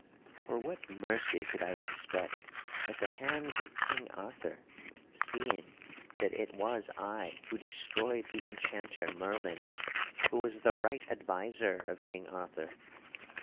For what mercy could I expect at the hands of King Arthur seeing that it was I who destroyed the Enchanter Merlin, who was the right adviser of King Arthur!